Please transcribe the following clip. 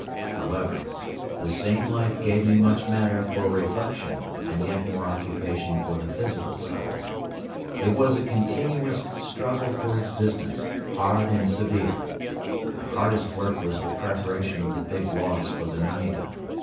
However, the same life gave me much matter for reflection and yet more occupation for the physical side. It was a continuous struggle for existence, hard and severe. The hardest work was the preparation of the big logs for the naida.